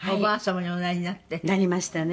「なりましたね」